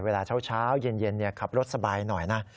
เวลาเช้าเย็นขับรถสบายหน่อยนะ